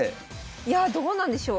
いやあどうなんでしょう？